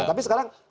nah tapi sekarang